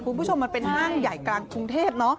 คุณผู้ชมมันเป็นห้างใหญ่กลางกรุงเทพ